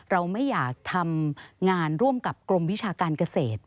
เราไม่อยากทำงานร่วมกับกรมวิชาการเกษตร